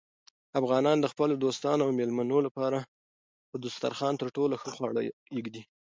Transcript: افغانان د خپلو دوستانو او مېلمنو لپاره په دسترخوان تر ټولو ښه خواړه ایږدي.